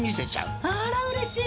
あらうれしい。